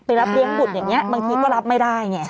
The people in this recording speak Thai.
รับเลี้ยงบุตรอย่างนี้บางทีก็รับไม่ได้ไง